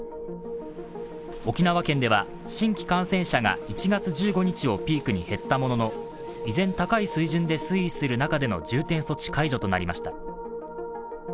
沖縄県では新規感染者が１月１５日をピークに減ったものの依然高い水準で水位する中での重点措置解除となりました。